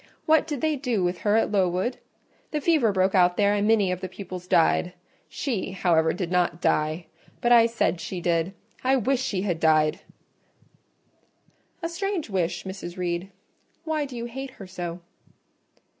What did they do with her at Lowood? The fever broke out there, and many of the pupils died. She, however, did not die: but I said she did—I wish she had died!" "A strange wish, Mrs. Reed; why do you hate her so?"